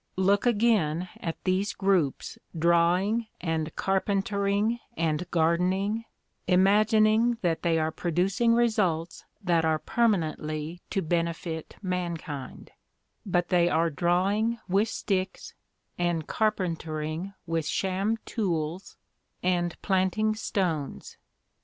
Look, again, at these groups drawing, and carpentering, and gardening, imagining that they are producing results that are permanently to benefit mankind; but they are drawing with sticks, and carpentering with sham tools, and planting stones.